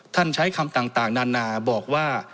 ท่านใช้คำต่างนานบอกว่า